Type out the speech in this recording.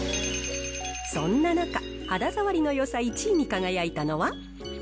そんな中、肌触りのよさ１位に輝いたのは。